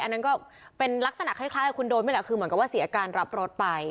อันนั้นก็เป็นลักษณะคล้ายกับคุณโดนนี่แหละคือเหมือนกับว่าเสียการรับรถไป